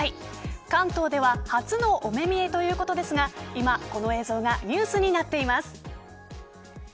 関東では初のお目見えということですが今、この映像がニュースになっています。